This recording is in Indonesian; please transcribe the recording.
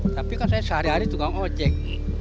tapi kan saya sehari hari tugang ojek